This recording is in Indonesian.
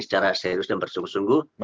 secara serius dan bersungguh sungguh